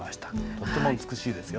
とても美しいですよ。